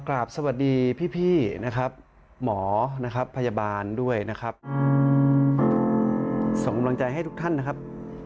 กราบสวัสดีพี่นะครับหมอนะครับพยาบาลด้วยนะครับส่งกำลังใจให้ทุกท่านนะครับ